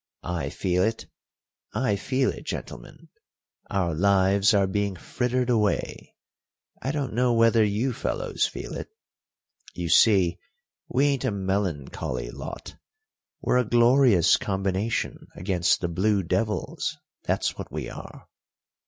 I feel it I feel it, gentlemen; our lives are being frittered away. I don't know whether you fellows feel it. You see, we ain't a melancholy lot. We're a glorious combination against the blue devils, that's what we are.